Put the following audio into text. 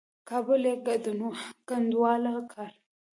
کابل یې کنډواله کړ.